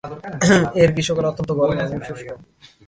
এর গ্রীষ্মকাল অত্যন্ত গরম এবং শুষ্ক।